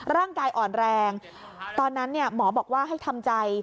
ร่างกายอ่อนแรงตอนนั้นหมอบอกว่าให้ทำใจ